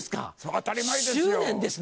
当たり前ですよ！